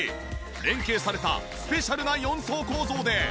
連係されたスペシャルな４層構造で。